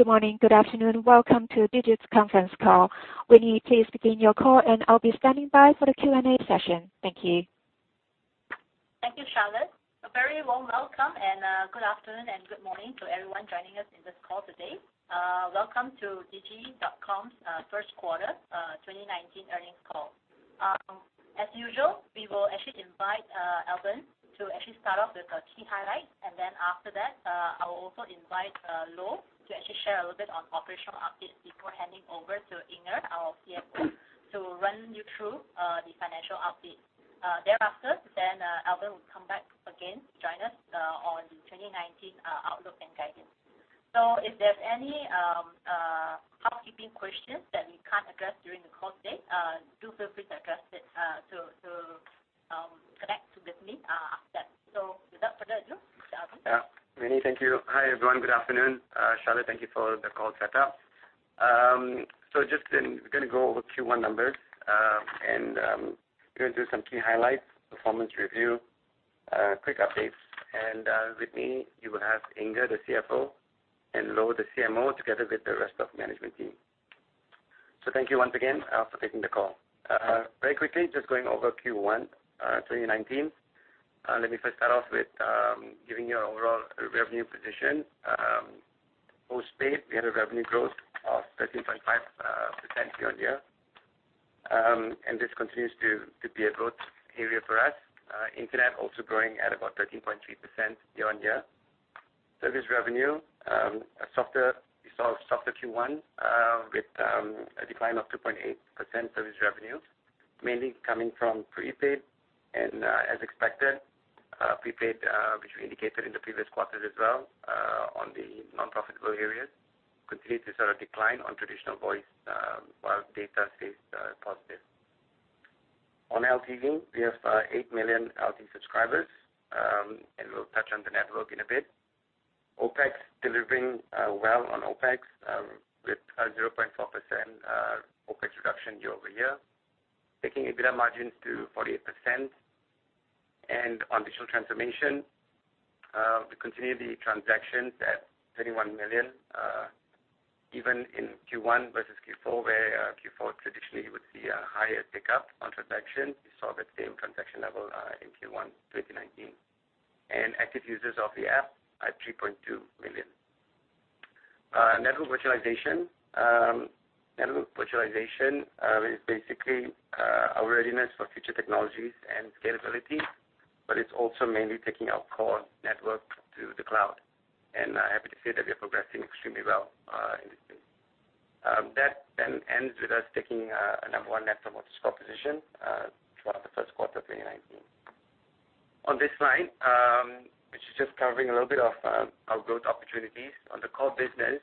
Good morning. Good afternoon. Welcome to Digi's conference call. Winnie, please begin your call, and I'll be standing by for the Q&A session. Thank you. Thank you, Charlotte. A very warm welcome, good afternoon and good morning to everyone joining us on this call today. Welcome to Digi.com's first quarter 2019 earnings call. As usual, we will actually invite Albern to actually start off with the key highlights. After that, I will also invite Loh to actually share a little bit on operational updates before handing over to Inger, our CFO, to run you through the financial updates. Thereafter, Albern will come back again to join us on the 2019 outlook and guidance. If there's any housekeeping questions that we can't address during the call today, do feel free to connect with me after. Without further ado, Mr. Albern. Winnie, thank you. Hi, everyone. Good afternoon. Charlotte, thank you for the call set up. Just going to go over Q1 numbers. I'm going to do some key highlights, performance review, quick updates. With me, you will have Inger, the CFO, and Loh, the CMO, together with the rest of management team. Thank you once again for taking the call. Very quickly, just going over Q1 2019. Let me first start off with giving you our overall revenue position. Postpaid, we had a revenue growth of 13.5% year-on-year. This continues to be a growth area for us. Internet also growing at about 13.3% year-on-year. Service revenue, we saw a softer Q1 with a decline of 2.8% service revenue, mainly coming from prepaid and as expected, prepaid, which we indicated in the previous quarters as well, on the non-profitable areas, continues to decline on traditional voice, while data stays positive. On LTE unit, we have 8 million LTE subscribers, and we'll touch on the network in a bit. Opex, delivering well on Opex, with a 0.4% Opex reduction year-over-year, taking EBITDA margins to 48%. On digital transformation, we continue the transactions at 31 million, even in Q1 versus Q4, where Q4 traditionally would see a higher pickup on transaction. We saw the same transaction level in Q1 2019. Active users of the app are 3.2 million. Network virtualization is basically our readiness for future technologies and scalability, but it's also mainly taking our core network to the cloud. Happy to say that we are progressing extremely well in this space. That then ends with us taking a number one Net Promoter Score position throughout the first quarter of 2019. On this slide, which is just covering a little bit of our growth opportunities. On the core business,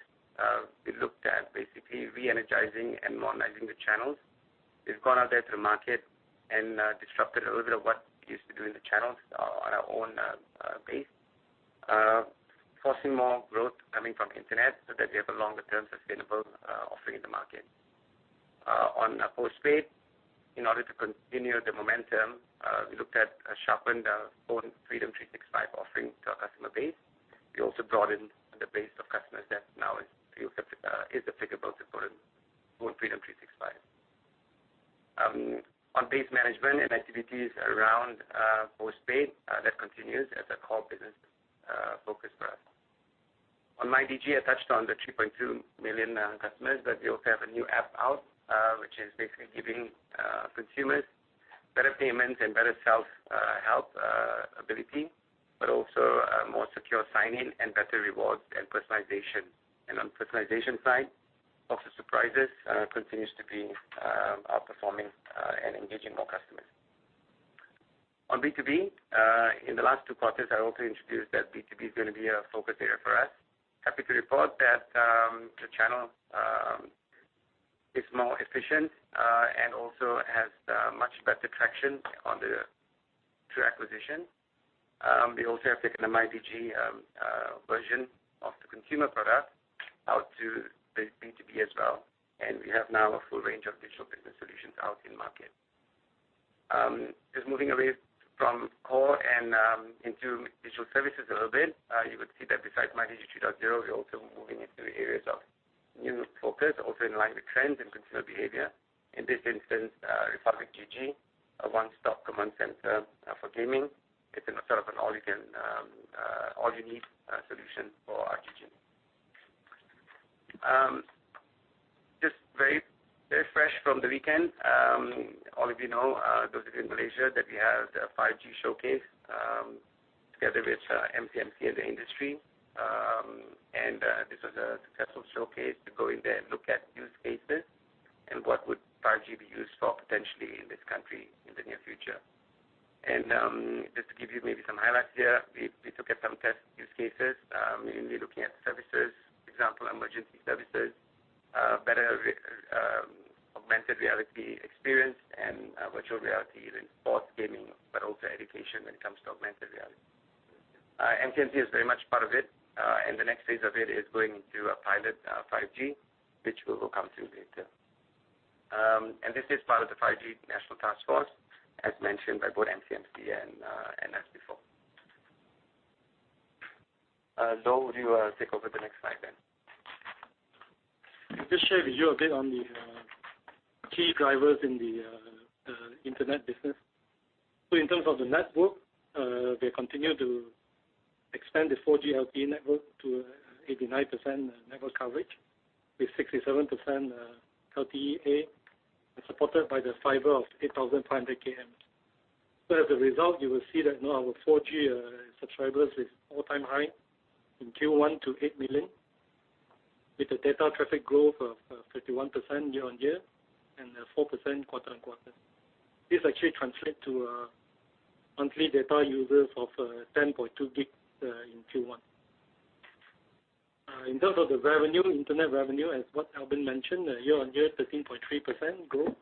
we looked at basically re-energizing and modernizing the channels. We've gone out there to the market and disrupted a little bit of what we used to do in the channels on our own base. Forcing more growth coming from internet so that we have a longer-term sustainable offering in the market. On postpaid, in order to continue the momentum, we looked at sharpened our PhoneFreedom 365 offering to our customer base. We also broadened the base of customers that now is applicable to PhoneFreedom 365. On base management and activities around postpaid, that continues as a core business focus for us. On MyDigi, I touched on the 3.2 million customers, but we also have a new app out, which is basically giving consumers better payments and better self-help ability, but also a more secure sign-in and better rewards and personalization. On personalization side, Box of Surprises continues to be outperforming, and engaging more customers. On B2B, in the last two quarters, I also introduced that B2B is going to be a focus area for us. Happy to report that the channel is more efficient, and also has much better traction on the two acquisitions. We also have taken a MyDigi version of the consumer product out to the B2B as well, and we have now a full range of digital business solutions out in market. Moving away from core and into digital services a little bit. You would see that besides MyDigi 2.0, we're also moving into areas of new focus, also in line with trends and consumer behavior. In this instance, Republic GG, a one-stop command center for gaming. It's a sort of an all-you-need solution for our kit. Very fresh from the weekend, all of you know, those of you in Malaysia, that we have the 5G showcase together with MCMC as an industry. This was a successful showcase to go in there and look at use cases and what would 5G be used for potentially in this country in the near future. Just to give you maybe some highlights here, we looked at some test use cases, mainly looking at services, for example, emergency services, better augmented reality experience, and virtual reality in sports gaming, but also education when it comes to augmented reality. MCMC is very much part of it, and the next phase of it is going to a pilot 5G, which we will come to later. This is part of the 5G National Task Force, as mentioned by both MCMC and as before. Loh, would you take over the next slide then? Just share with you a bit on the key drivers in the internet business. In terms of the network, we continue to expand the 4G LTE network to 89% network coverage, with 67% LTE A supported by the fiber of 8,500 km. As a result, you will see that now our 4G subscribers is all-time high in Q1 to 8 million, with a data traffic growth of 31% year-on-year and 4% quarter-on-quarter. This actually translates to monthly data users of 10.2 gigs in Q1. In terms of the revenue, internet revenue, as what Albern mentioned, year-on-year, 13.3% growth,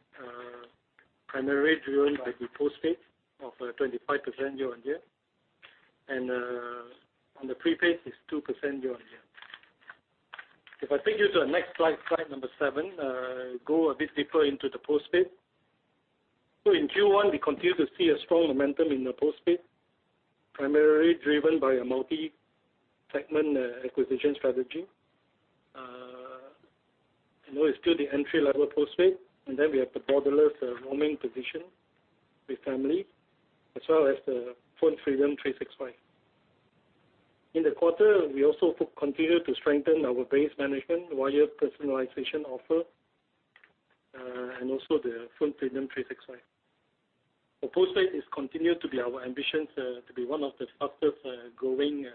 primarily driven by the postpaid of 25% year-on-year. On the prepaid is 2% year-on-year. If I take you to the next slide number seven, go a bit deeper into the postpaid. In Q1, we continue to see a strong momentum in the postpaid, primarily driven by a multi-segment acquisition strategy. It's still the entry-level postpaid. We have the borderless roaming position with family, as well as the PhoneFreedom 365. In the quarter, we also continued to strengthen our base management, via personalization offer, and also the PhoneFreedom 365. The postpaid is continued to be our ambition to be one of the fastest-growing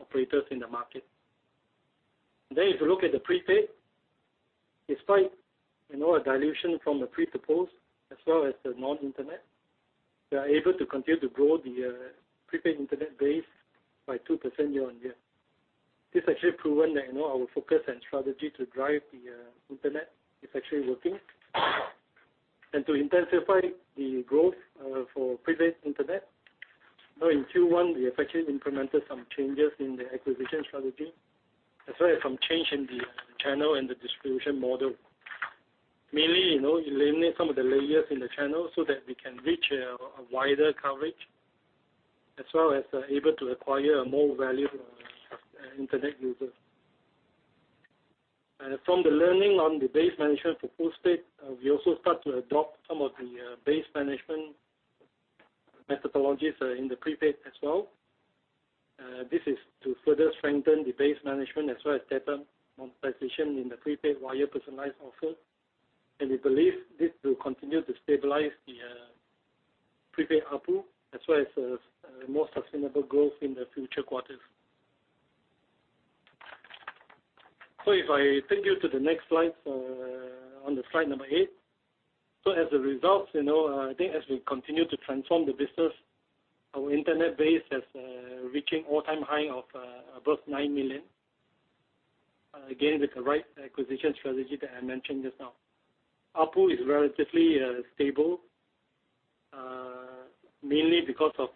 operators in the market. If you look at the prepaid, despite a dilution from the pre to post as well as the non-internet, we are able to continue to grow the prepaid internet base by 2% year-on-year. This has actually proven that our focus and strategy to drive the internet is actually working. To intensify the growth for prepaid internet, in Q1, we effectively implemented some changes in the acquisition strategy, as well as some change in the channel and the distribution model. Mainly, eliminate some of the layers in the channel so that we can reach a wider coverage, as well as able to acquire a more valued internet user. From the learning on the base management for postpaid, we also start to adopt some of the base management methodologies in the prepaid as well. This is to further strengthen the base management as well as data monetization in the prepaid via personalized offer. We believe this will continue to stabilize the prepaid ARPU, as well as a more sustainable growth in the future quarters. If I take you to the next slide, on the slide number eight. As a result, I think as we continue to transform the business, our internet base has reaching all-time high of above 9 million, again, with the right acquisition strategy that I mentioned just now. ARPU is relatively stable, mainly because of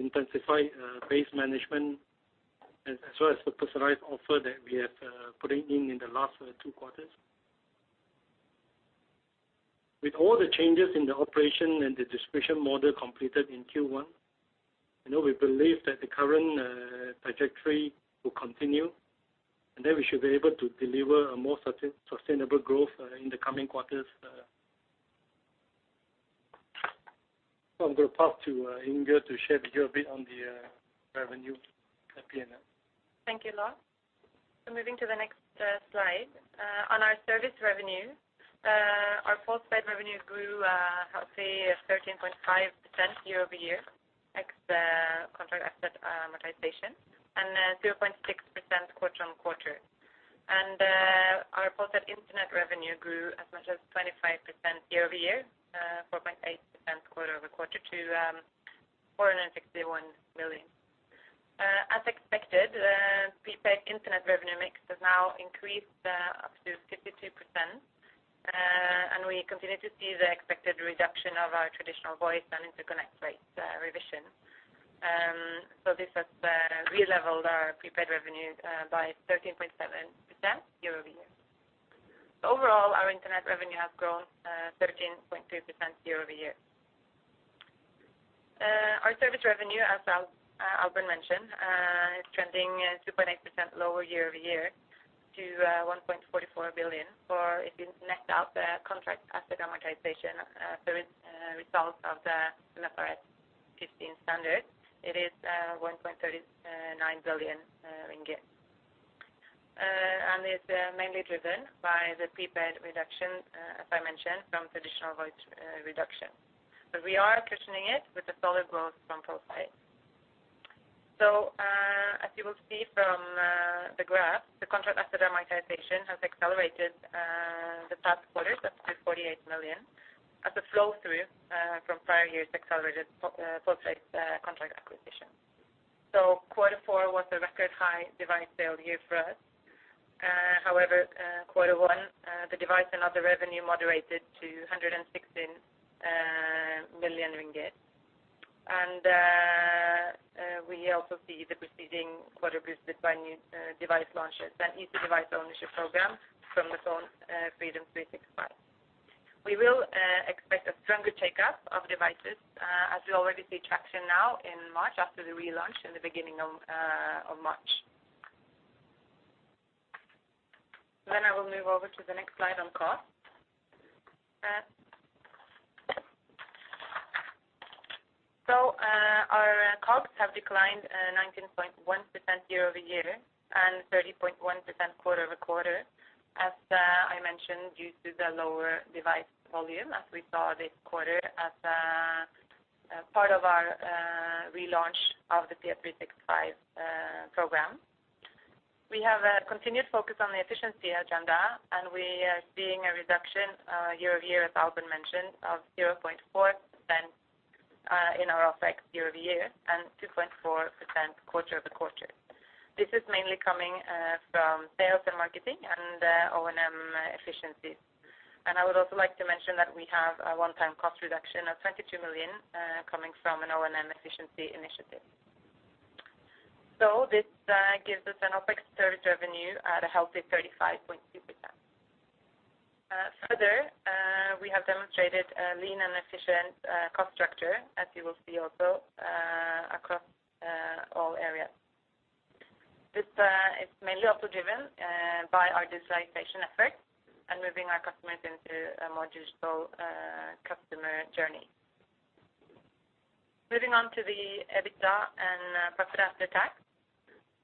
intensified base management as well as the personalized offer that we have put in in the last two quarters. With all the changes in the operation and the distribution model completed in Q1, we believe that the current trajectory will continue, we should be able to deliver a more sustainable growth in the coming quarters. I'm going to pass to Inger to share with you a bit on the revenue at P&L. Thank you, Loh. Moving to the next slide. On our service revenue, our postpaid revenue grew, I'd say, 13.5% year-over-year, ex contract asset amortization, 2.6% quarter-over-quarter. Our postpaid internet revenue grew as much as 25% year-over-year, 4.8% quarter-over-quarter to MYR 461 million. As expected, prepaid internet revenue mix has now increased up to 52%, we continue to see the expected reduction of our traditional voice and interconnect rates revision. This has re-leveled our prepaid revenues by 13.7% year-over-year. Overall, our internet revenue has grown 13.3% year-over-year. Our service revenue, as Albern mentioned, is trending 2.8% lower year-over-year to 1.44 billion, or if you net out the contract asset amortization result of the IFRS 15 standard, it is 1.39 billion ringgit. It's mainly driven by the prepaid reduction, as I mentioned, from traditional voice reduction. We are cushioning it with the solid growth from postpaid. As you will see from the graph, the contract asset amortization has accelerated the past quarters up to 48 million as a flow-through from prior years' accelerated postpaid contract acquisition. Quarter four was a record high device sale year for us. However, quarter one, the device and other revenue moderated to 116 million ringgit. We also see the preceding quarter boosted by new device launches and easy device ownership program from the PhoneFreedom 365. We will expect a stronger take-up of devices, as we already see traction now in March, after the relaunch in the beginning of March. I will move over to the next slide on cost. Our costs have declined 19.1% year-over-year and 30.1% quarter-over-quarter, as I mentioned, due to the lower device volume as we saw this quarter as part of our relaunch of the PF 365 program. We have a continued focus on the efficiency agenda, we are seeing a reduction year-over-year, as Albern mentioned, of 0.4% in our Opex year-over-year and 2.4% quarter-over-quarter. This is mainly coming from sales and marketing and O&M efficiencies. I would also like to mention that we have a one-time cost reduction of 22 million, coming from an O&M efficiency initiative. This gives us an Opex service revenue at a healthy 35.2%. Further, we have demonstrated a lean and efficient cost structure, as you will see also, across all areas. This is mainly also driven by our digitization efforts and moving our customers into a more digital customer journey. Moving on to the EBITDA and Profit After Tax.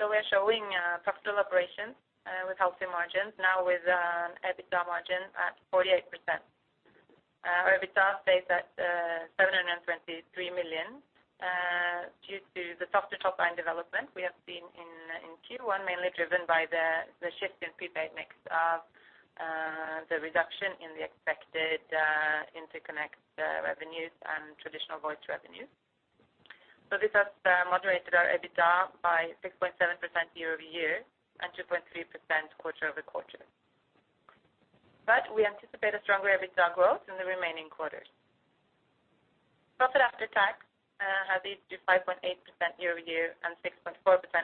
We are showing profitable operations with healthy margins, now with an EBITDA margin at 48%. Our EBITDA stays at 723 million due to the softer top-line development we have seen in Q1, mainly driven by the shift in prepaid mix of the reduction in the expected interconnect revenues and traditional voice revenue. This has moderated our EBITDA by 6.7% year-over-year and 2.3% quarter-over-quarter. We anticipate a stronger EBITDA growth in the remaining quarters. Profit After Tax has eased to 5.8% year-over-year and 6.4%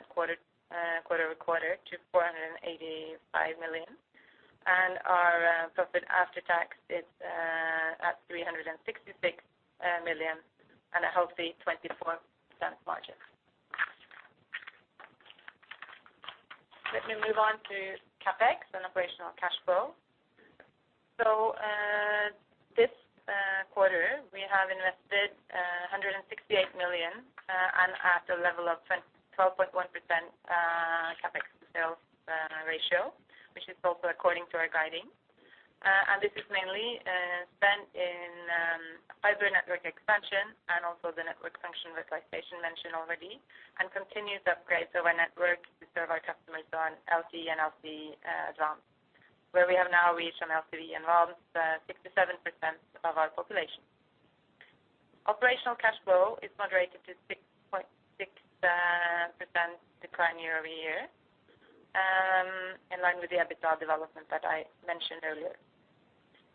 quarter-over-quarter to 485 million. Our Profit After Tax is at 366 million and a healthy 24% margin. Let me move on to CapEx and operational cash flow. This quarter, we have invested 168 million and at a level of 12.1% CapEx sales ratio, which is also according to our guiding. This is mainly spent in fiber network expansion and also the network function virtualization mentioned already and continued upgrades of our network to serve our customers on LTE and LTE Advanced, where we have now reached an LTE involved 67% of our population. Operational cash flow is moderated to 6.6% decline year-over-year, in line with the EBITDA development that I mentioned earlier.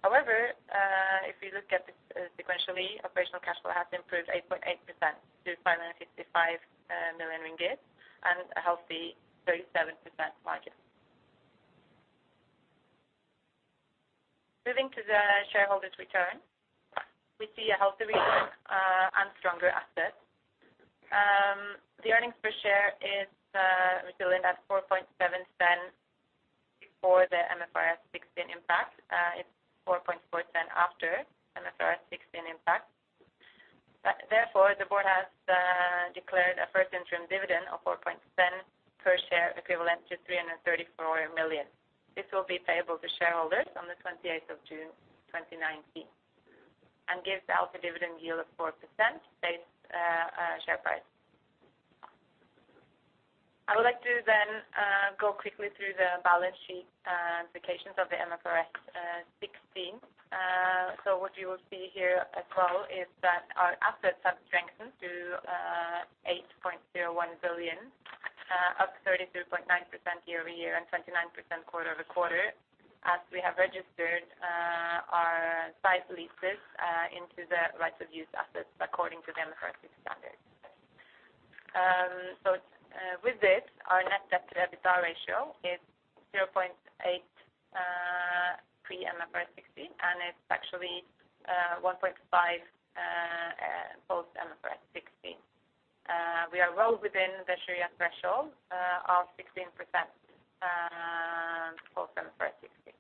However, if you look at it sequentially, operational cash flow has improved 8.8% to 555 million ringgit and a healthy 37% margin. Moving to the shareholders' return, we see a healthy return and stronger assets. The earnings per share is resilient at 0.047 before the MFRS 16 impact. It is MYR 0.044 after MFRS 16 impact. The board has declared a first interim dividend of 0.047 per share, equivalent to 334 million. This will be payable to shareholders on the 28th of June 2019 and gives out a dividend yield of 4% based share price. I would like to go quickly through the balance sheet implications of the MFRS 16. What you will see here as well is that our assets have strengthened to 8.01 billion, up 33.9% year-over-year and 29% quarter-over-quarter, as we have registered our site leases into the rights of use assets according to the MFRS 16 standard. With this, our net debt to EBITDA ratio is 0.8 pre MFRS 16, and it is actually 1.5 post MFRS 16. We are well within the Sharia threshold of 16% post MFRS 16.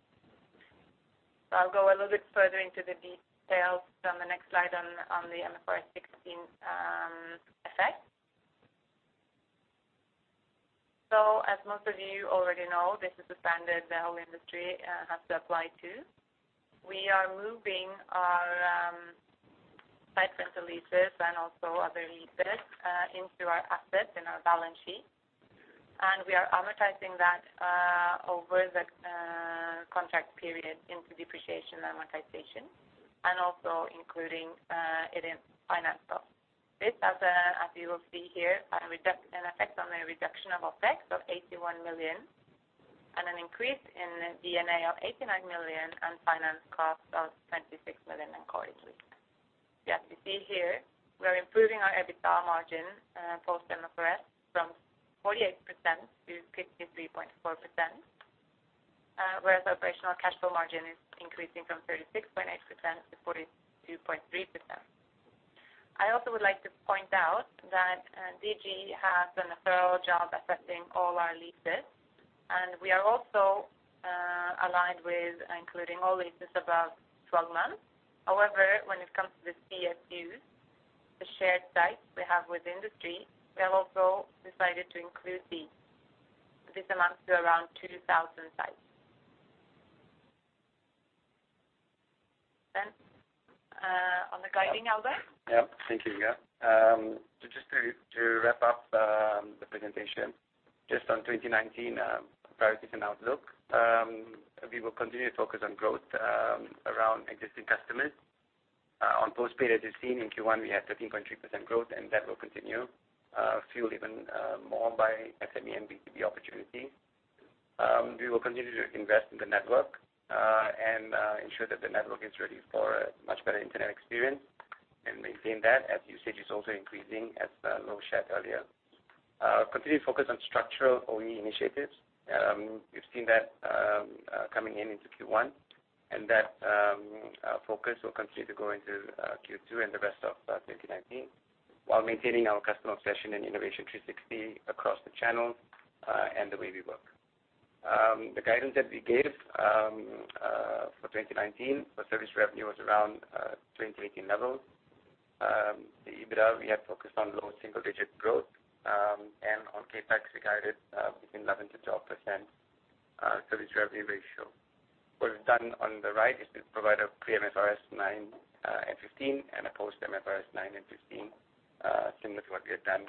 I will go a little bit further into the details on the next slide on the MFRS 16 effect. As most of you already know, this is the standard the whole industry has to apply to. We are moving our site rental leases and also other leases into our assets in our balance sheet. We are amortizing that over the contract period into Depreciation and Amortization and also including it in finance cost. This has, as you will see here, an effect on a reduction of Opex of 81 million. An increase in the D&A of 89 million and finance cost of 26 million accordingly. As you see here, we are improving our EBITDA margin, post MFRS, from 48% to 53.4%, whereas operational cash flow margin is increasing from 36.8% to 42.3%. I also would like to point out that Digi has done a thorough job assessing all our leases, and we are also aligned with including all leases above 12 months. When it comes to the CFUs, the shared sites we have with the industry, we have also decided to include these. This amounts to around 2,000 sites. On the guiding, Albern? Yeah. Thank you, Inger. Just to wrap up the presentation, just on 2019 priorities and outlook. We will continue to focus on growth around existing customers. On postpaid, as you've seen, in Q1, we had 13.3% growth, and that will continue, fueled even more by SME and B2B opportunities. We will continue to invest in the network, and ensure that the network is ready for a much better internet experience, and maintain that as usage is also increasing, as Loh shared earlier. Continue to focus on structural OE initiatives. You've seen that coming in into Q1, and that focus will continue to go into Q2 and the rest of 2019 while maintaining our customer obsession and innovation 360 across the channel, and the way we work. The guidance that we gave for 2019 for service revenue was around 2018 levels. The EBITDA, we have focused on low single-digit growth. On CapEx, we guided between 11%-12% service revenue ratio. What we've done on the right is to provide a pre-MFRS 9 and 15 and a post-MFRS 9 and 15, similar to what we had done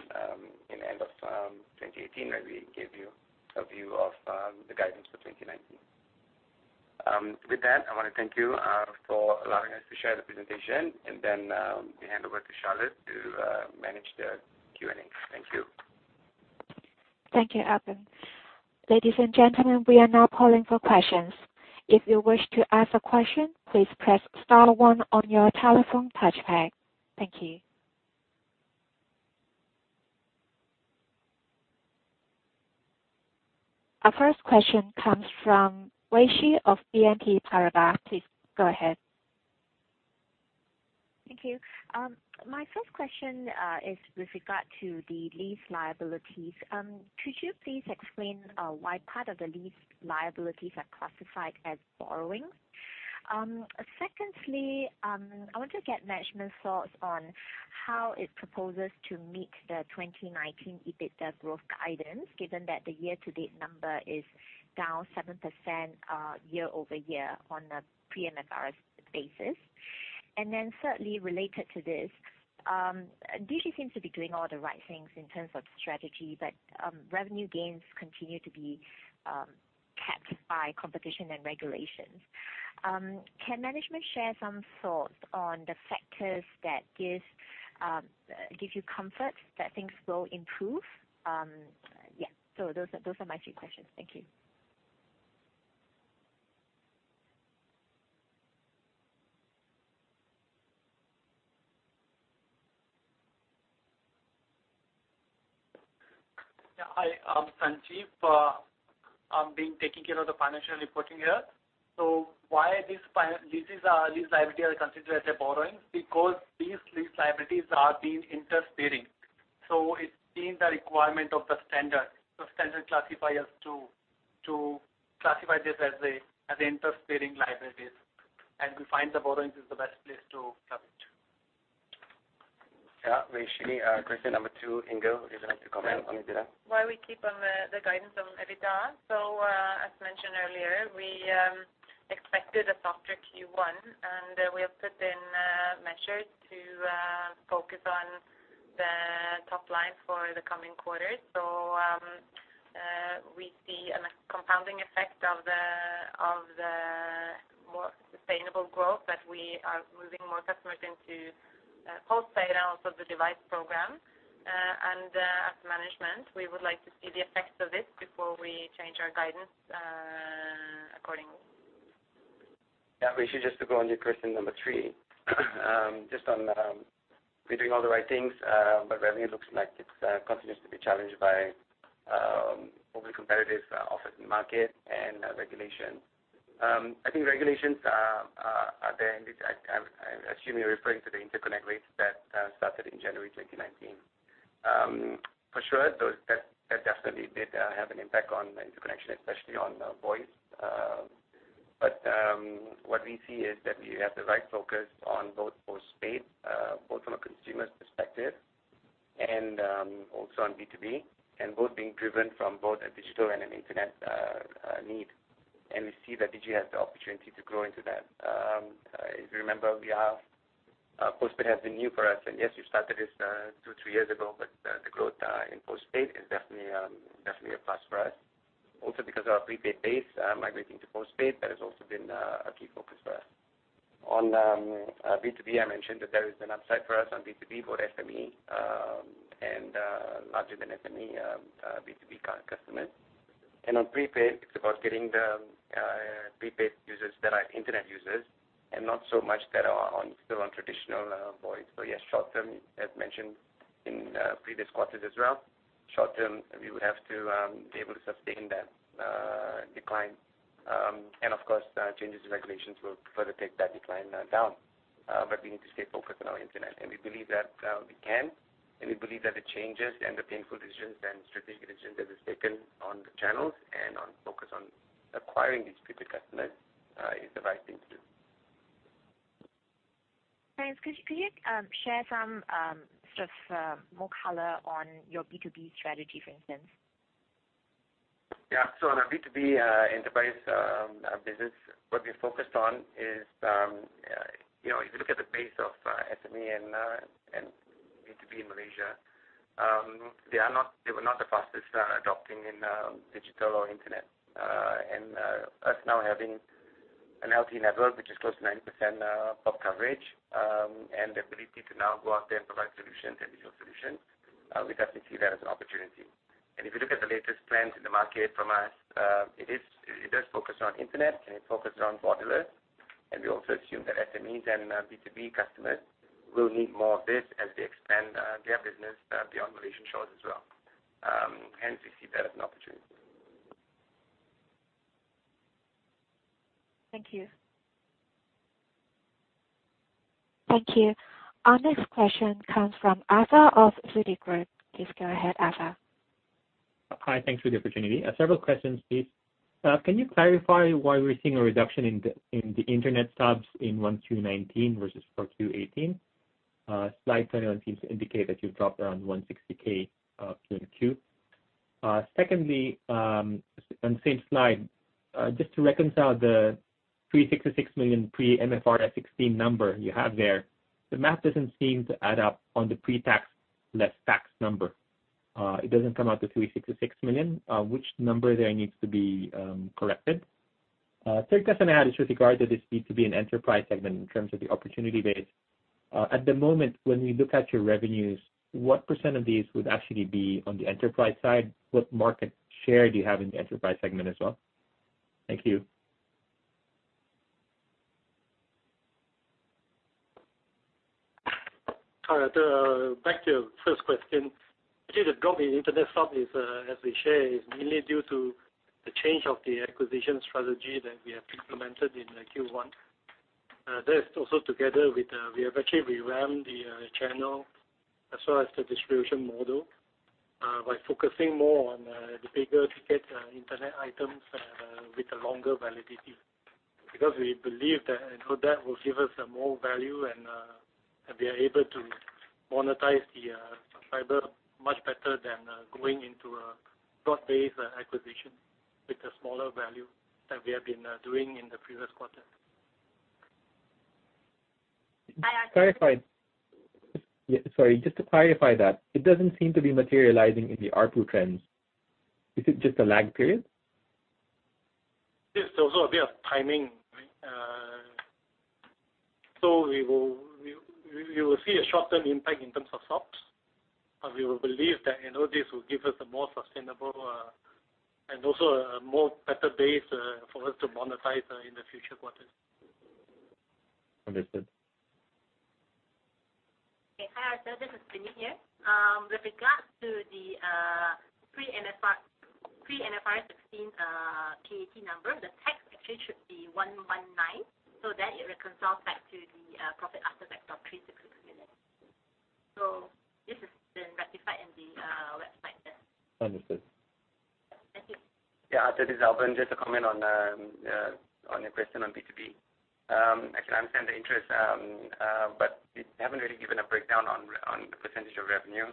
in end of 2018, where we gave you a view of the guidance for 2019. With that, I want to thank you for allowing us to share the presentation. We hand over to Charlotte to manage the Q&A. Thank you. Thank you, Albern. Ladies and gentlemen, we are now calling for questions. If you wish to ask a question, please press star one on your telephone touchpad. Thank you. Our first question comes from Wei Xu of BNP Paribas. Please go ahead. Thank you. My first question is with regard to the lease liabilities. Could you please explain why part of the lease liabilities are classified as borrowing? Secondly, I want to get management's thoughts on how it proposes to meet the 2019 EBITDA growth guidance, given that the year-to-date number is down 7% year-over-year on a pre-MFRS basis. Thirdly, related to this, Digi seems to be doing all the right things in terms of strategy, but revenue gains continue to be capped by competition and regulations. Can management share some thoughts on the factors that give you comfort that things will improve? Yeah. Those are my three questions. Thank you. Yeah. Hi, I'm Sanjeev. I've been taking care of the financial reporting here. Why these liabilities are considered as a borrowing, because these lease liabilities are interest-bearing. It's been the requirement of the standard classifiers to classify this as interest-bearing liabilities, and we find the borrowings is the best place to cover it. Yeah. Wei Xu, question number 2. Inger, would you like to comment on EBITDA? Why we keep on the guidance on EBITDA. As mentioned earlier, we expected a softer Q1, and we have put in measures to focus on the top line for the coming quarters. We see a compounding effect of the more sustainable growth that we are moving more customers into postpaid and also the device program. As management, we would like to see the effects of this before we change our guidance accordingly. Yeah. Wei Xu, just to go on your question number 3. We're doing all the right things, revenue looks like it continues to be challenged by overly competitive offers in the market and regulation. I think regulations are there, and I assume you're referring to the interconnect rates that started in January 2019. For sure, that definitely did have an impact on interconnection, especially on voice. What we see is that we have the right focus on both postpaid, both from a consumer's perspective and also on B2B, and both being driven from both a digital and an internet need. We see that Digi has the opportunity to grow into that. If you remember, postpaid has been new for us. Yes, we started this two, three years ago, the growth in postpaid is definitely a plus for us. Because of our prepaid base migrating to postpaid, that has also been a key focus for us. B2B, I mentioned that there is an upside for us on B2B for SME, and larger than SME B2B customers. On prepaid, it's about getting the prepaid users that are internet users and not so much that are still on traditional voice. Yes, short term, as mentioned in previous quarters as well, short term, we would have to be able to sustain that decline. Of course, changes in regulations will further take that decline down. We need to stay focused on our internet, and we believe that we can, and we believe that the changes and the painful decisions and strategic decisions that were taken on the channels and on focus on acquiring these prepaid customers is the right thing to do. Thanks. Could you please share some more color on your B2B strategy, for instance? On our B2B enterprise business, what we focused on is, if you look at the base of SME and B2B in Malaysia, they were not the fastest adopting in digital or internet. Us now having a healthy network, which is close to 90% pop coverage, and the ability to now go out there and provide solutions and digital solutions, we definitely see that as an opportunity. If you look at the latest plans in the market from us, it does focus on internet and it focuses on modular. We also assume that SMEs and B2B customers will need more of this as they expand their business beyond Malaysian shores as well. Hence, we see that as an opportunity. Thank you. Thank you. Our next question comes from Arthur of Citigroup. Please go ahead, Arthur. Hi. Thanks for the opportunity. Several questions, please. Can you clarify why we're seeing a reduction in the internet subs in 1Q19 versus 4Q18? Slide 29 seems to indicate that you've dropped around 160K Q1Q. Secondly, on the same slide, just to reconcile the 366 million pre-MFRS 16 number you have there. The math doesn't seem to add up on the pre-tax less tax number. It doesn't come out to 366 million. Which number there needs to be corrected? Third question I had is with regard to this B2B and enterprise segment in terms of the opportunity base. At the moment, when we look at your revenues, what % of these would actually be on the enterprise side? What market share do you have in the enterprise segment as well? Thank you. Hi, Arthur. Back to your first question. Actually, the drop in internet sub, as we share, is mainly due to the change of the acquisition strategy that we have implemented in Q1. That is also together with, we have actually revamped the channel as well as the distribution model, by focusing more on the bigger ticket internet items with a longer validity. We believe that, and hope that will give us more value and we are able to monetize the subscriber much better than going into a broad-based acquisition with a smaller value than we have been doing in the previous quarters. Sorry. Just to clarify that, it doesn't seem to be materializing in the ARPU trends. Is it just a lag period? It's also a bit of timing. You will see a short-term impact in terms of subs, we will believe that this will give us a more sustainable and also a better base for us to monetize in the future quarters. Understood. Okay. Hi, Arthur. This is Penny here. With regards to the pre-MFRS 16 PAT number, the tax actually should be 119, that it reconciles back to the profit after tax of 366 million. This has been rectified in the website there. Understood. Thank you. Yeah, Arthur, this is Albern. Just a comment on your question on B2B. I can understand the interest, but we haven't really given a breakdown on the percentage of revenue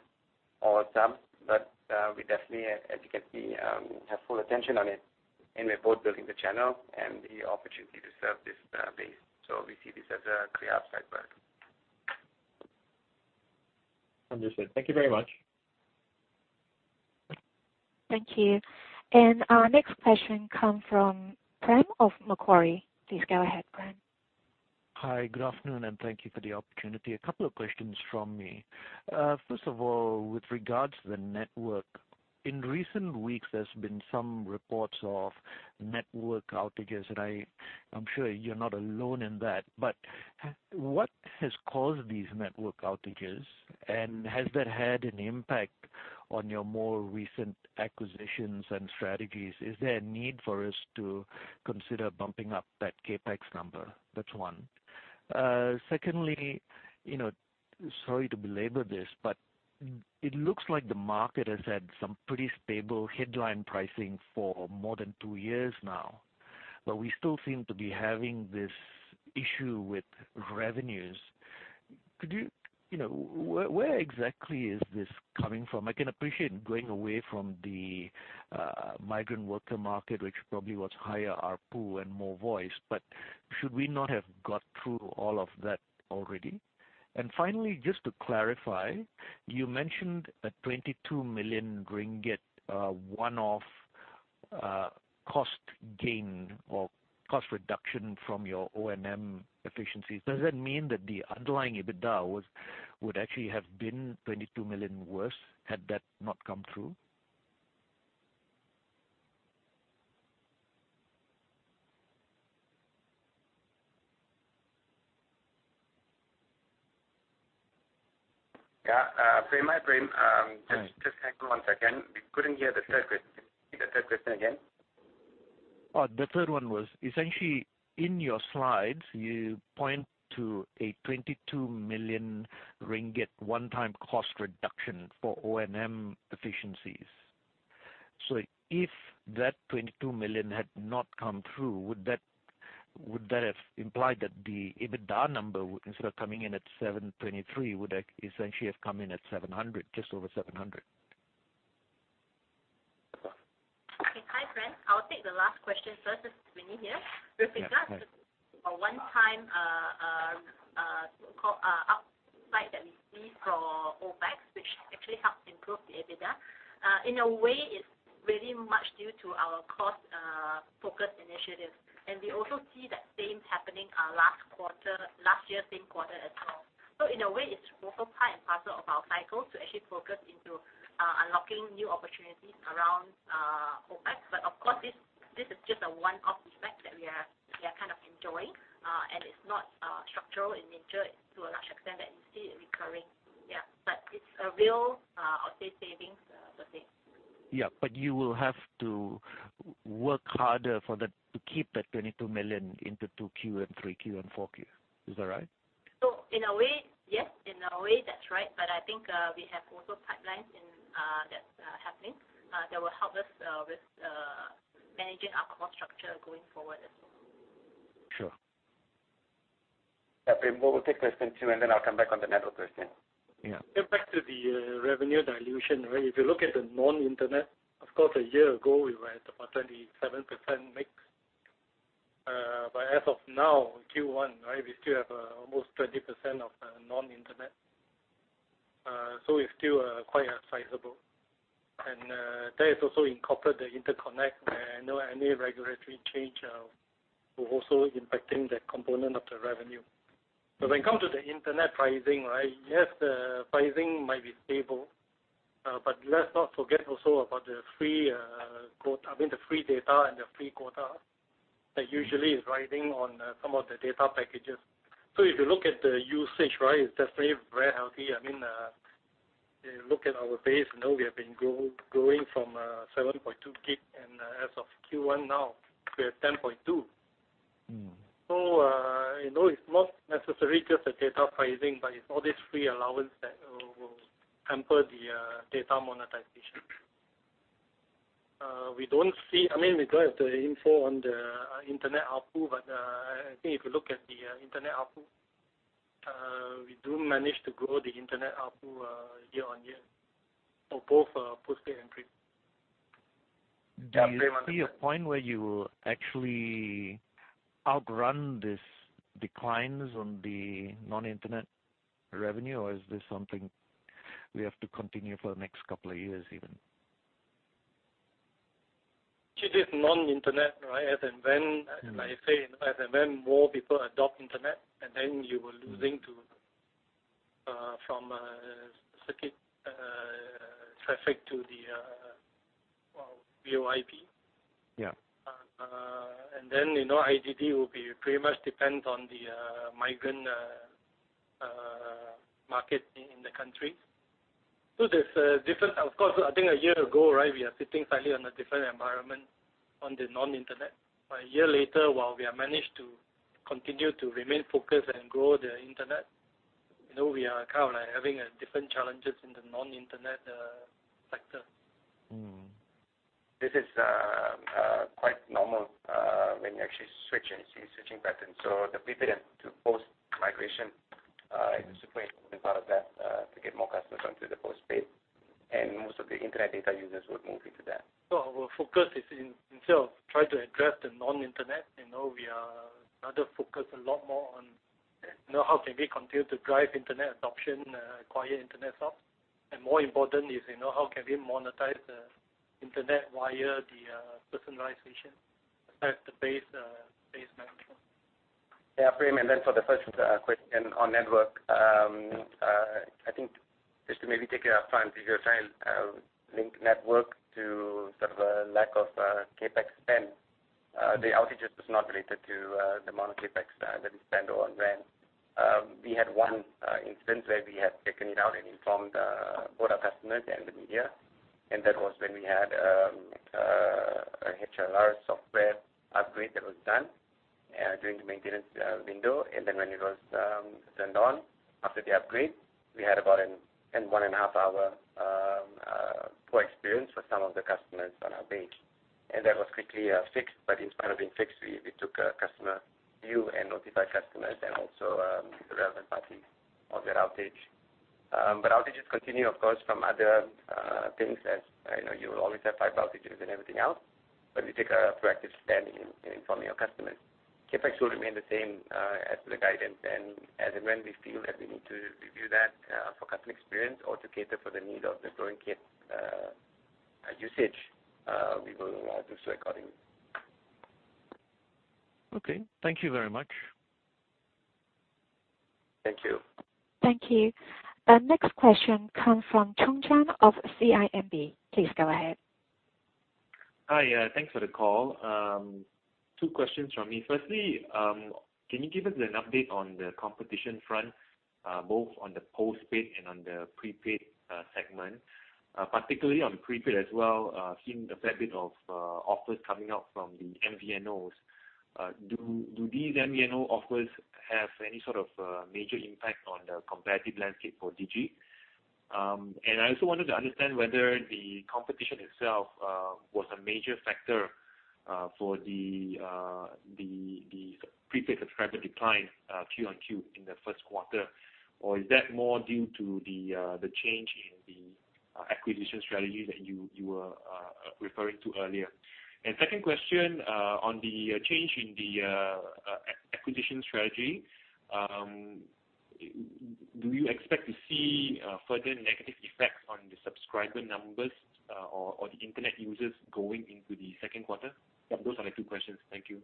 or subs, but we definitely, as you can see, have full attention on it, and we're both building the channel and the opportunity to serve this base. We see this as a clear upside. Understood. Thank you very much. Thank you. Our next question come from Prem of Macquarie. Please go ahead, Prem. Hi. Good afternoon, and thank you for the opportunity. A couple of questions from me. First of all, with regards to the network, in recent weeks, there's been some reports of network outages, and I'm sure you're not alone in that, but what has caused these network outages, and has that had an impact on your more recent acquisitions and strategies? Is there a need for us to consider bumping up that CapEx number? That's one. Secondly, sorry to belabor this, but it looks like the market has had some pretty stable headline pricing for more than two years now, but we still seem to be having this issue with revenues. Where exactly is this coming from? I can appreciate going away from the migrant worker market, which probably was higher ARPU and more voice. Should we not have got through all of that already? Finally, just to clarify, you mentioned a 22 million ringgit one-off cost gain or cost reduction from your O&M efficiencies, does that mean that the underlying EBITDA would actually have been 22 million worse had that not come through? Yeah. Sorry, Prem, just hang on one second. We couldn't hear the third question. Can you repeat the third question again? The third one was, essentially, in your slides, you point to a 22 million ringgit one-time cost reduction for O&M efficiencies. If that 22 million had not come through, would that have implied that the EBITDA number, instead of coming in at 723, would essentially have come in at 700, just over 700? Okay. Hi, friend. I'll take the last question first. This is Winnie here. Yeah. Hi. With regards to a one-time so-called upside that we see for OpEx, which actually helps improve the EBITDA. In a way, it's really much due to our cost focused initiatives. We also see that same happening last year, same quarter as well. In a way, it's also part and parcel of our cycle to actually focus into unlocking new opportunities around OpEx. Of course, this is just a one-off effect that we are kind of enjoying. It's not structural in nature to a large extent that it's still recurring, yeah. It's a real, I'll say, savings, so to say. Yeah. You will have to work harder to keep that 22 million into 2Q and 3Q and 4Q. Is that right? In a way, yes. In a way, that's right. I think we have also pipelines that's happening, that will help us with managing our cost structure going forward as well. Sure. Yeah. We'll take question 2, then I'll come back on the network question. Yeah. Get back to the revenue dilution. If you look at the non-internet, of course, a year ago, we were at about 27% mix. As of now, Q1, we still have almost 20% of non-internet. It is still quite sizable. That has also incorporated the interconnect, where I know any regulatory change will also impact that component of the revenue. When it comes to the internet pricing, yes, the pricing might be stable, but let's not forget also about the free data and the free quota that usually is riding on some of the data packages. If you look at the usage, it is definitely very healthy. Look at our base, we have been growing from 7.2 GB, and as of Q1 now, we are 10.2 GB. It is not necessarily just the data pricing, but it is all these free allowance that will temper the data monetization. We don't have the info on the internet ARPU, but I think if you look at the internet ARPU, we do manage to grow the internet ARPU year-on-year for both postpaid and prepaid. Yeah. Do you see a point where you will actually outrun these declines on the non-internet revenue, or is this something we have to continue for the next couple of years even? Actually, it's non-internet. As and when more people adopt internet, and then you were losing from circuit traffic to the VoIP. Yeah. IDD will be pretty much dependent on the migrant market in the country. There's a difference. Of course, I think a year ago, we are sitting slightly on a different environment on the non-internet. A year later, while we have managed to continue to remain focused and grow the internet, we are having different challenges in the non-internet sector. This is quite normal when you actually switch and see switching patterns. The prepaid to post migration is a super important part of that, to get more customers onto the postpaid. Most of the internet data users would move into that. Our focus is in itself, try to address the non-internet. We are another focus a lot more on how can we continue to drive internet adoption, acquire internet subs. More important is, how can we monetize the internet via the personalization aside the base management. Yeah. For the first question on network, I think just to maybe take your time because you're trying to link network to sort of a lack of CapEx spend. The outages was not related to the amount of CapEx that we spend or on RAN. We had one incident where we had taken it out and informed both our customers and the media, that was when we had a HLR software upgrade that was done during the maintenance window. When it was turned on after the upgrade, we had about one and a half hour poor experience for some of the customers on our page. That was quickly fixed, but in spite of being fixed, we took a customer view and notified customers and also the relevant parties of that outage. Outages continue, of course, from other things, as you will always have pipe outages and everything else. We take a proactive stand in informing our customers. CapEx will remain the same as the guidance, and as and when we feel that we need to review that for customer experience or to cater for the need of the growing CapEx usage, we will do so accordingly. Okay. Thank you very much. Thank you. Thank you. The next question comes from Choong Chen of CIMB. Please go ahead. Hi. Thanks for the call. Two questions from me. Firstly, can you give us an update on the competition front, both on the postpaid and on the prepaid segment? Particularly on prepaid as well, seeing a fair bit of offers coming out from the MVNOs. Do these MVNO offers have any sort of major impact on the competitive landscape for Digi? I also wanted to understand whether the competition itself was a major factor for the prepaid subscriber decline quarter-over-quarter in the first quarter, or is that more due to the change in the acquisition strategy that you were referring to earlier? Second question, on the change in the acquisition strategy, do you expect to see further negative effects on the subscriber numbers or the internet users going into the second quarter? Those are my two questions. Thank you.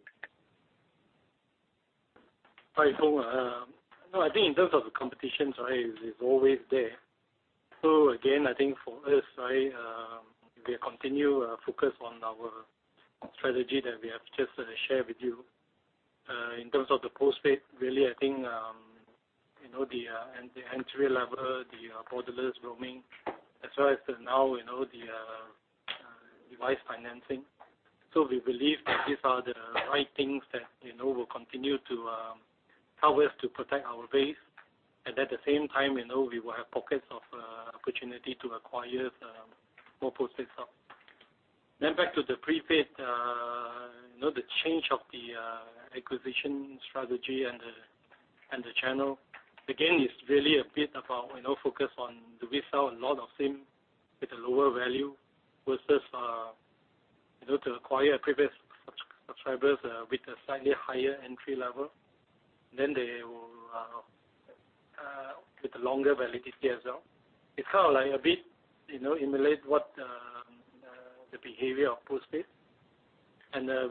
Hi. I think in terms of the competition, it is always there. Again, I think for us, we continue our focus on our strategy that we have just shared with you. In terms of the postpaid, really, I think the entry level, the borderless roaming, as well as now the device financing. We believe that these are the right things that will continue to help us to protect our base. At the same time, we will have pockets of opportunity to acquire more postpaid. Back to the prepaid, the change of the acquisition strategy and the channel. Again, it's really a bit about focus on do we sell a lot of SIM with a lower value versus to acquire previous subscribers with a slightly higher entry level, with a longer validity as well. It's kind of like a bit emulate what the behavior of postpaid.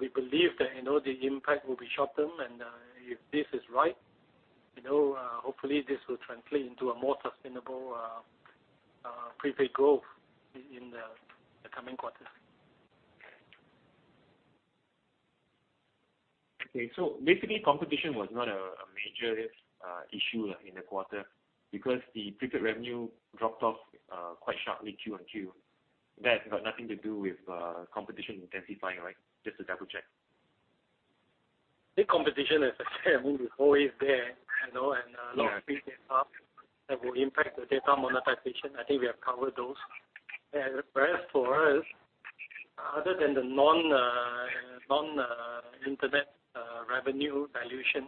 We believe that the impact will be short-term and if this is right, hopefully, this will translate into a more sustainable prepaid growth in the coming quarters. Basically, competition was not a major issue in the quarter because the prepaid revenue dropped off quite sharply Q on Q. That's got nothing to do with competition intensifying, right? Just to double-check. The competition, as I said, is always there. Yeah. A lot of free data that will impact the data monetization. I think we have covered those. For us, other than the non-internet revenue dilution,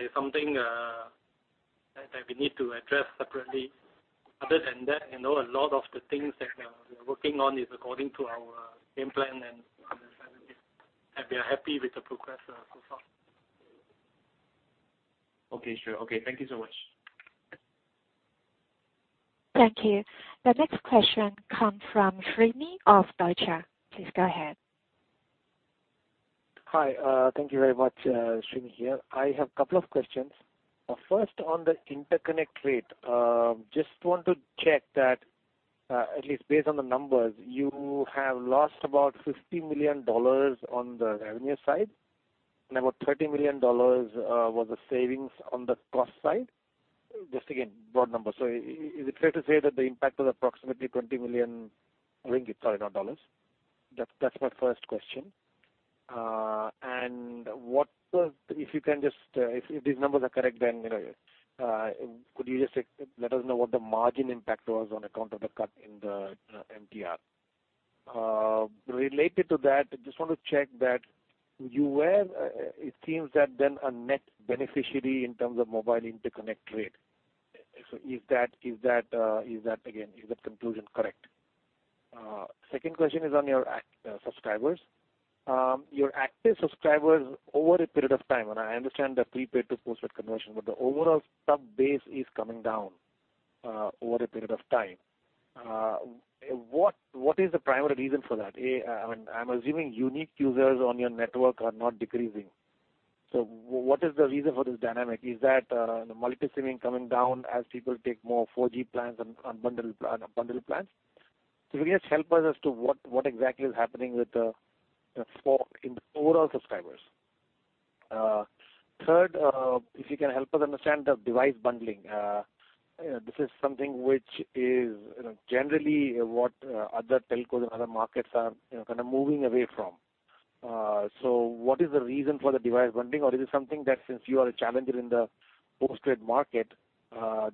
is something that we need to address separately. Other than that, a lot of the things that we are working on is according to our game plan and our strategy, and we are happy with the progress so far. Okay, sure. Okay. Thank you so much. Thank you. The next question comes from Srini of Deutsche. Please go ahead. Hi. Thank you very much. Srini here. I have couple of questions. First on the interconnect rate. Just want to check that at least based on the numbers, you have lost about MYR 50 million on the revenue side and about MYR 30 million was the savings on the cost side. Just again, broad numbers. Is it fair to say that the impact was approximately RM20 million? Sorry, not dollars. That's my first question. If these numbers are correct, could you just let us know what the margin impact was on account of the cut in the MTR? Related to that, just want to check that you were, it seems that then a net beneficiary in terms of mobile interconnect rate. Is that conclusion correct? Second question is on your subscribers. Your active subscribers over a period of time, and I understand the prepaid to postpaid conversion, but the overall sub base is coming down over a period of time. What is the primary reason for that? A, I'm assuming unique users on your network are not decreasing. What is the reason for this dynamic? Is that the multi-SIM-ing coming down as people take more 4G plans and bundled plans? If you can just help us as to what exactly is happening in the overall subscribers. Third, if you can help us understand the device bundling. This is something which is generally what other telcos in other markets are kind of moving away from. What is the reason for the device bundling? Is it something that since you are a challenger in the postpaid market,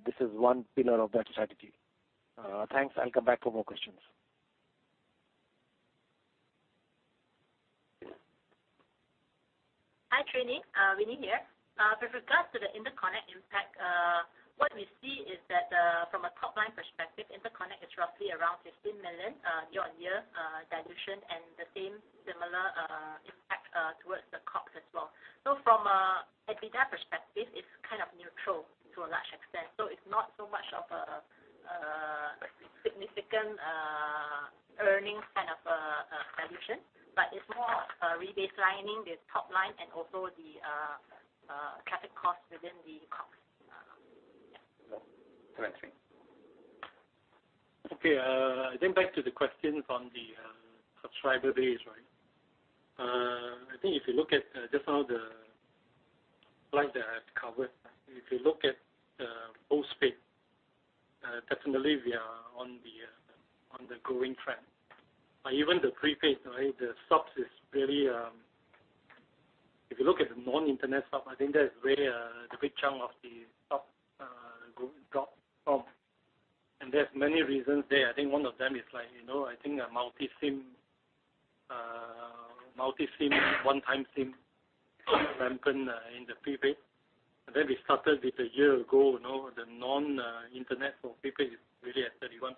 this is one pillar of that strategy? Thanks. I'll come back for more questions. Wei Shi of BNP ParibasOGS as well. From an EBITDA perspective, it's kind of neutral to a large extent. It's not so much of a significant earnings kind of dilution, but it's more rebaselining this top line and also the CapEx cost within the COGS. Yeah. Thanks. Okay. I think back to the question from the subscriber base, right? I think if you look at just now the slide that I have covered, if you look at post-paid, definitely we are on the growing trend. Even the pre-paid, the subs is really, if you look at the non-internet stuff, I think that is really the big chunk of the top drop. There's many reasons there. I think one of them is I think the multi-SIM, one-time SIM ramped in the pre-paid. Then we started it a year ago. The non-internet for pre-paid is really at 31%.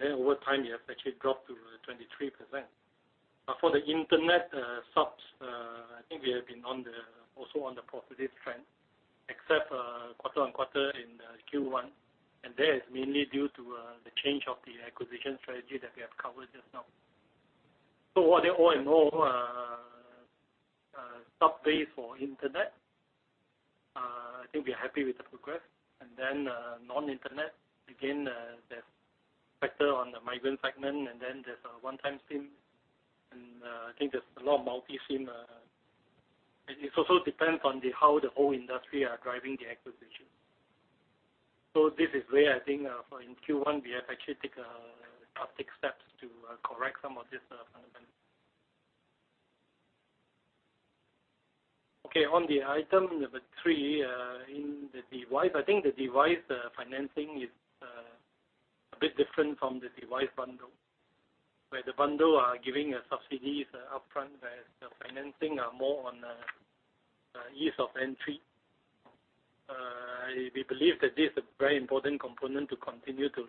Then over time, it has actually dropped to 23%. For the internet subs, I think we have been also on the positive trend except quarter-on-quarter in Q1. That is mainly due to the change of the acquisition strategy that we have covered just now. All in all, sub base for internet, I think we are happy with the progress. Then non-internet, again, there's factor on the migrant segment and then there's a one-time SIM, and I think there's a lot of multi-SIM. It also depends on how the whole industry are driving the acquisition. This is where I think in Q1 we have actually taken drastic steps to correct some of these fundamentals. Okay, on the item number 3, in the device. I think the device financing is a bit different from the device bundle, where the bundle are giving subsidies upfront, whereas the financing are more on the ease of entry. We believe that this is a very important component to continue to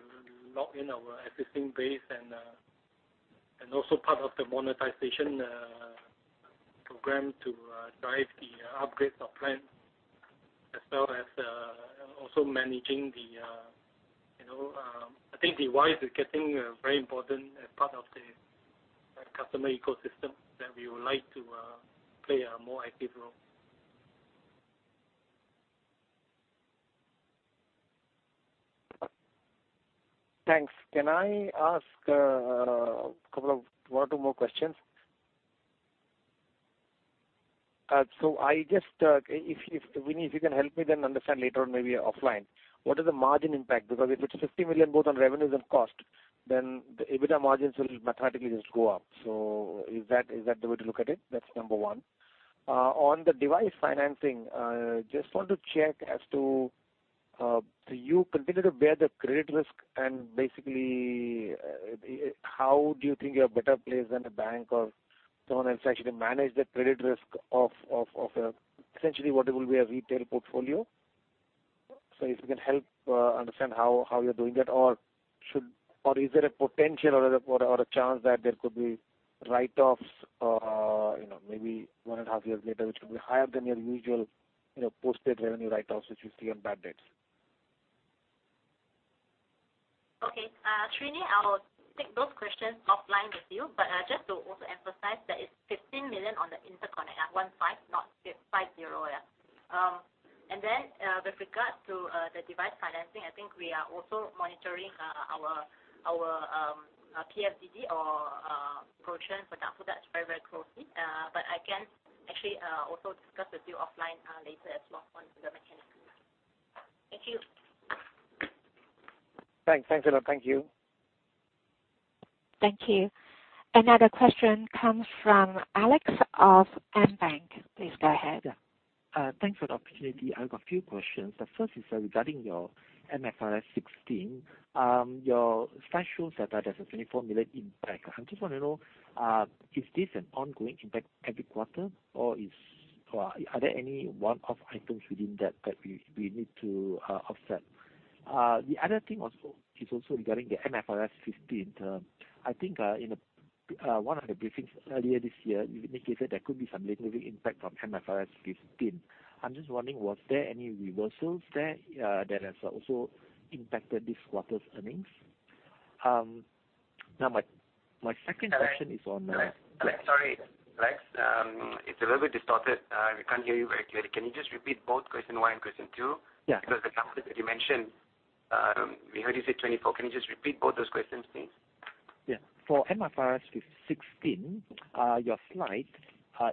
lock in our existing base and also part of the monetization program to drive the upgrades of plans as well as also I think device is getting very important as part of the customer ecosystem that we would like to play a more active role. Thanks. Can I ask one or two more questions? If, Winnie, you can help me then understand later on maybe offline, what is the margin impact? Because if it's 50 million both on revenues and cost, then the EBITDA margins will mathematically just go up. Is that the way to look at it? That's number one. On the device financing, just want to check as to do you continue to bear the credit risk and basically, how do you think you're better placed than a bank or someone else to actually manage the credit risk of essentially what it will be a retail portfolio? If you can help understand how you're doing that or is there a potential or a chance that there could be write-offs maybe one and a half years later, which will be higher than your usual postpaid revenue write-offs, which you see on bad debts? Okay. Srini, I'll take those questions offline with you. Just to also emphasize that it's 15 million on the interconnect. 15, not 50. With regards to the device financing, I think we are also monitoring our PDD or portion for that very closely. I can actually also discuss with you offline later as well on the mechanics. Thank you. Thanks a lot. Thank you. Thank you. Another question comes from Alex of AmBank. Please go ahead. Yeah. Thanks for the opportunity. I've got a few questions. The first is regarding your MFRS 16. Your slide shows that there's a 24 million impact. I just want to know, is this an ongoing impact every quarter, or are there any one-off items within that that we need to offset? The other thing is also regarding the MFRS 15. I think in one of the briefings earlier this year, you indicated there could be some lingering impact from MFRS 15. I'm just wondering, was there any reversals there that has also impacted this quarter's earnings? Now, my second question is on- Alex. Sorry, Alex. It's a little bit distorted. We can't hear you very clearly. Can you just repeat both question one and question two? Yeah. Because the numbers that you mentioned, we heard you say 24. Can you just repeat both those questions, please? For MFRS 16, your slide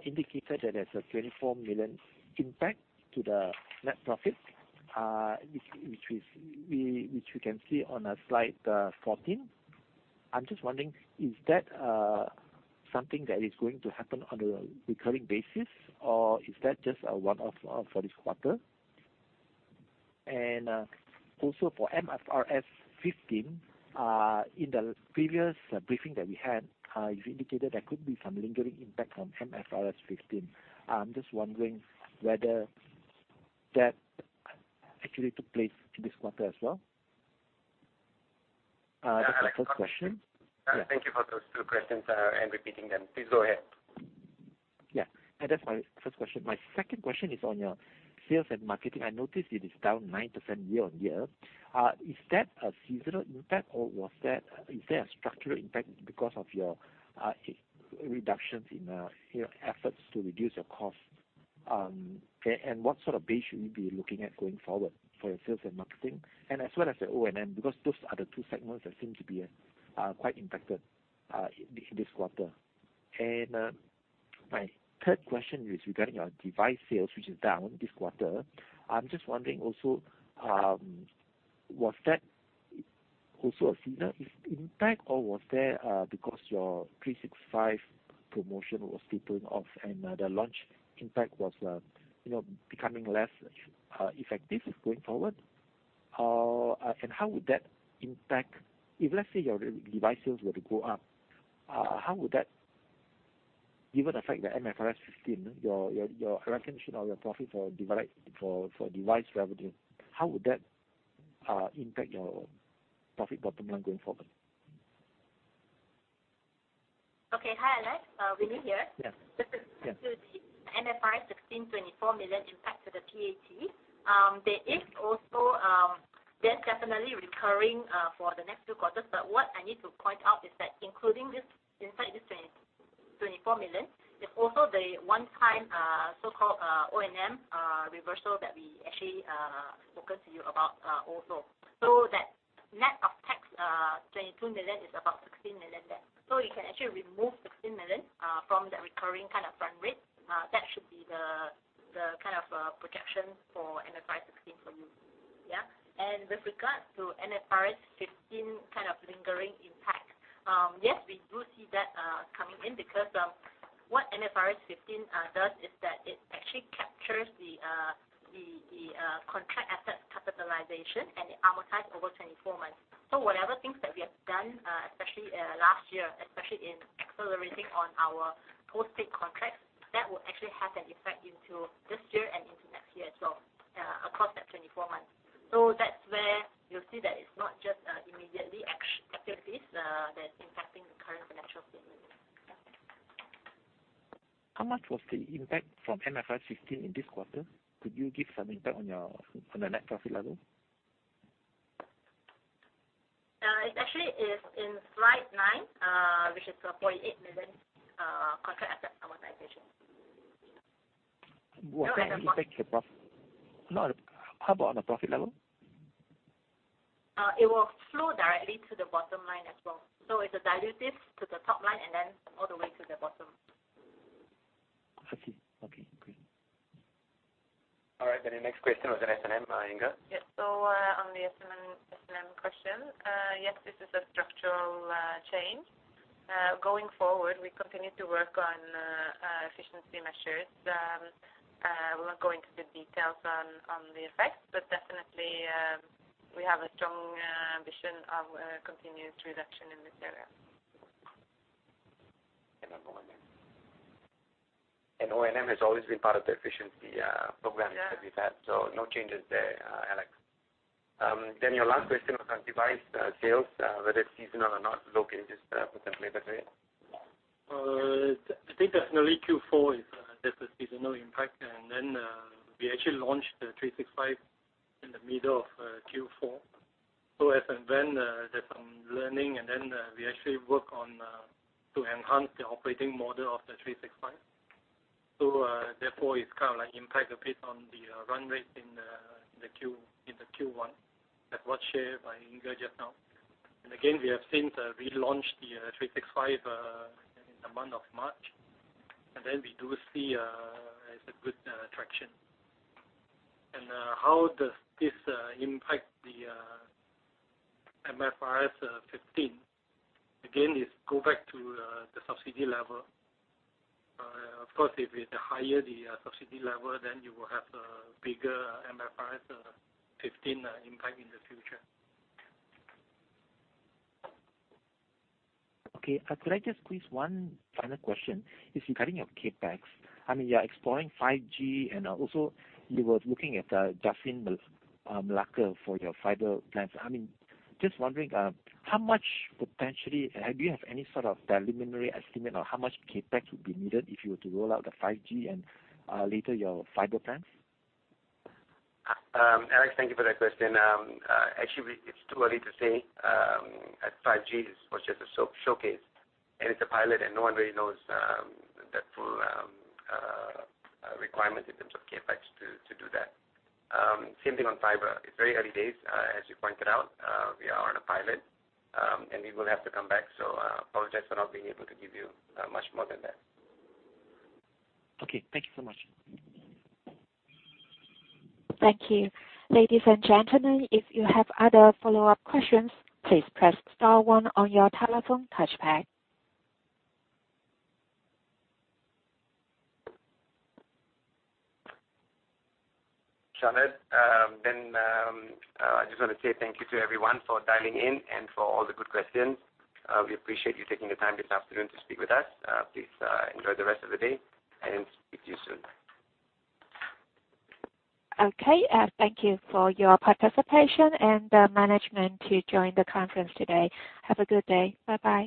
indicated that there's a 24 million impact to the net profit, which we can see on slide 14. I'm just wondering, is that something that is going to happen on a recurring basis, or is that just a one-off for this quarter? Also for MFRS 15, in the previous briefing that we had, you indicated there could be some lingering impact from MFRS 15. I'm just wondering whether that actually took place this quarter as well. That's my first question. Thank you for those two questions, and repeating them. Please go ahead. That's my first question. My second question is on your sales and marketing. I noticed it is down 9% year-on-year. Is that a seasonal impact, or is there a structural impact because of your reductions in your efforts to reduce your cost? What sort of base should we be looking at going forward for your sales and marketing, as well as the O&M, because those are the two segments that seem to be quite impacted, in this quarter. My third question is regarding your device sales, which is down this quarter. I'm just wondering also, was that also a seasonal impact or was that because your 365 promotion was tapering off and the launch impact was becoming less effective going forward? How would that impact if, let's say, your device sales were to go up, how would that, given the fact that MFRS 15, your recognition or your profit for device revenue, how would that impact your profit bottom line going forward? Okay. Hi, Alex. Winnie here. Yes. Just to MFRS 16, 24 million impact to the PAT. There's definitely recurring for the next two quarters, what I need to point out is that including this inside this 24 million, is also the one time, so-called, O&M reversal that we actually spoke to you about also. That net of tax, 22 million, is about 16 million there. You can actually remove 16 million from the recurring kind of run rate. That should be the kind of projection for MFRS 16 for you. Yeah. With regards to MFRS 15 kind of lingering impact, yes, we do see that coming in because what MFRS 15 does is that it actually captures the contract asset capitalization and it amortizes over 24 months. Whatever things that we have done, especially last year, especially in accelerating on our posted contracts, that will actually have an effect into this year and into next year as well, across that 24 months. That's where you'll see that it's not just immediately activities that's impacting the current financial statement. Yeah. How much was the impact from MFRS 15 in this quarter? Could you give some impact on the net profit level? It actually is in slide nine, which is 4.8 million contract asset amortization. Was that the effect of the. How about on a profit level? It will flow directly to the bottom line as well. It is a dilutive to the top line and then all the way to the bottom. Okay, great. All right, the next question was on S&M, Inger? Yes. On the S&M question, yes, this is a structural change. Going forward, we'll not go into the details on the effects, but definitely, we have a strong ambition of continuous reduction in this area. On O&M. O&M has always been part of the efficiency programs that we've had. Yeah. No changes there, Alex. Your last question was on device sales, whether it's seasonal or not, low cases potentially, Jeffrey? I think definitely Q4 is, there's a seasonal impact. We actually launched the 365 in the middle of Q4. As and when there's some learning, we actually work on to enhance the operating model of the 365. Therefore it kind of impact a bit on the run rate in the Q1, as was shared by Inger just now. Again, we have since relaunched the 365 in the month of March. We do see it's a good traction. How does this impact the MFRS 15? Again, it goes back to the subsidy level. Of course, if the higher the subsidy level, then you will have a bigger MFRS 15 impact in the future. Could I just please one final question? It's regarding your CapEx. I mean, you're exploring 5G, and also you were looking at Jasin, Melaka for your fiber plans. Just wondering, how much potentially, and do you have any sort of preliminary estimate on how much CapEx would be needed if you were to roll out the 5G and later your fiber plans? Alex, thank you for that question. Actually, it's too early to say, as 5G was just a showcase, and it's a pilot, and no one really knows the full requirements in terms of CapEx to do that. Same thing on fiber. It's very early days, as you pointed out. We are on a pilot, and we will have to come back. Apologize for not being able to give you much more than that. Thank you so much. Thank you. Ladies and gentlemen, if you have other follow-up questions, please press star one on your telephone touchpad. Sean, I just want to say thank you to everyone for dialing in and for all the good questions. We appreciate you taking the time this afternoon to speak with us. Please enjoy the rest of the day, and speak to you soon. Okay. Thank you for your participation and management to join the conference today. Have a good day. Bye-bye.